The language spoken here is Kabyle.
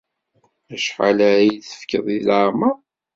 Acḥal ara iyi-tefkeḍ deg leɛmeṛ?